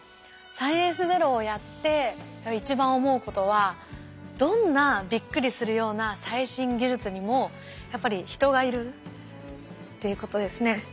「サイエンスＺＥＲＯ」をやって一番思うことはどんなびっくりするような最新技術にもやっぱり人がいるっていうことですね。